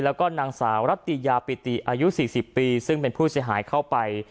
แล้วก็นางสาวรัตยาปิติอายุ๔๐ปีซึ่งเป็นผู้เสียหายเข้าไป